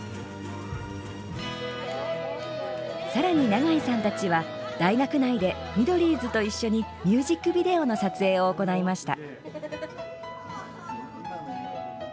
さらに長井さんたちは大学内でミドリーズと一緒にミュージックビデオの撮影を行いました。